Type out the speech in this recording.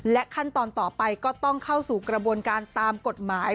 ขั้นตอนต่อไปก็ต้องเข้าสู่กระบวนการตามกฎหมาย